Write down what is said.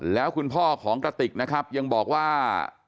แล้วคุณพ่อของกระติกนะครับยังบอกว่า